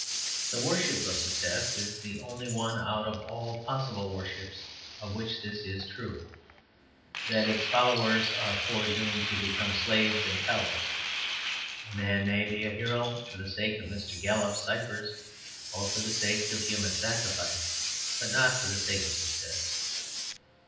The worship of success is the only one out of all possible worships of which this is true, that its followers are foredoomed to become slaves and cowards. A man may be a hero for the sake of Mrs. Gallup's ciphers or for the sake of human sacrifice, but not for the sake of success.